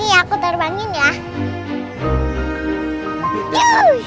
nih aku terbangin ya